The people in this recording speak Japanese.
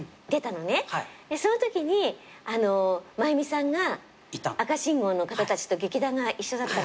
そのときに真弓さんが赤信号の方たちと劇団が一緒だった。